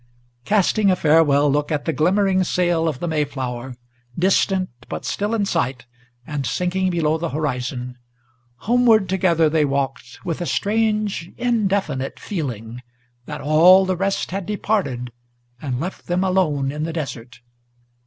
Casting a farewell look at the glimmering sail of the Mayflower, Distant, but still in sight, and sinking below the horizon, Homeward together they walked, with a strange, indefinite feeling, That all the rest had departed and left them alone in the desert.